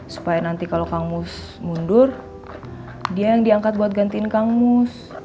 supaya nanti kalau kang mus mundur dia yang diangkat buat gantiin kang mus